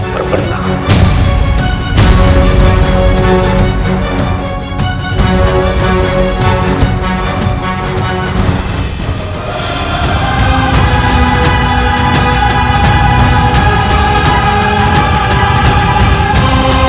selamunia selamunia selamunia alayasi abidillah